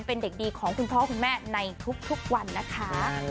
เป็นเด็กดีของคุณพ่อคุณแม่ในทุกวันนะคะ